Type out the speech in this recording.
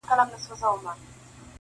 بلال په وینو رنګوي منبر په کاڼو ولي-